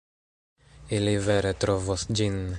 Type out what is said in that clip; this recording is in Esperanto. Ili vere trovos ĝin.